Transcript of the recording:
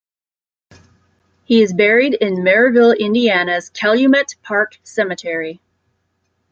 He is buried in Merrillville, Indiana's Calumet Park Cemetery.